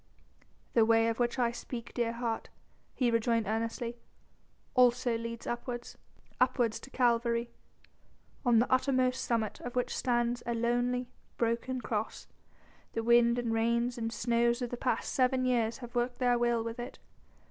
"The way of which I speak, dear heart," he rejoined earnestly, "also leads upwards, upwards to Calvary, on the uttermost summit of which stands a lonely, broken Cross. The wind and rains and snows of the past seven years have worked their will with it....